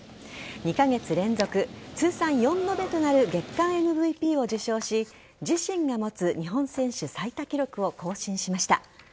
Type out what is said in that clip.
２カ月連続、通算４度目となる月間ＭＶＰを受賞し自身が持つ日本選手最多記録を更新しました。